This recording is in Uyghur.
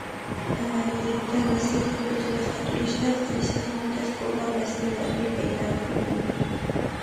ئەمەلىيەتتە، مەسىلىدىن ئۆزىنى قاچۇرۇش ھەل قىلىش تېخىمۇ تەس بولغان مەسىلىلەرنى پەيدا قىلىدۇ.